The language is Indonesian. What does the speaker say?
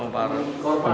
kalau dilarang sama para